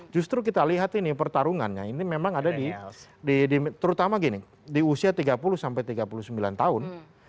justru kita lihat ini pertarungannya ini memang ada di terutama gini di usia tiga puluh sampai tiga puluh sembilan tahun